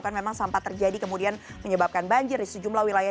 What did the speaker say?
karena memang sampah terjadi kemudian menyebabkan banjir di sejumlah wilayah